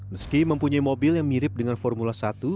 meski mempunyai mobil yang mirip dengan formula satu